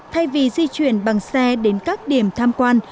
thay vì di chuyển bằng xe đến các điểm tham quan